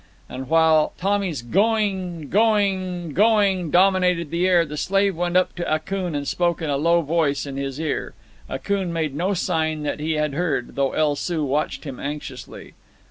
And while Tommy's "Going—going—going—" dominated the air, the slave went up to Akoon and spoke in a low voice in his ear. Akoon made no sign that he had heard, though El Soo watched him anxiously.